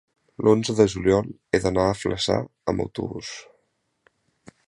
l'onze de juliol he d'anar a Flaçà amb autobús.